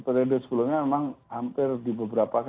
periode sebelumnya memang hampir di beberapa